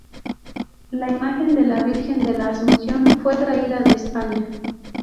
La imagen de la Virgen de la Asunción fue traída de España.